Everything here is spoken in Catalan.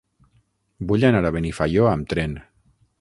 Vull anar a Benifaió amb tren.